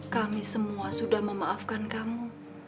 kami semua sudah memaafkan kamu